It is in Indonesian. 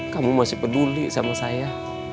kamu masih peduli sama saya